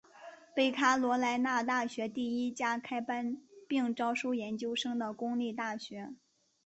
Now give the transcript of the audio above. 北卡罗来纳大学第一家开班并招收研究生的公立大学。